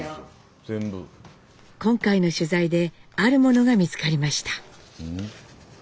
今回の取材であるものが見つかりました。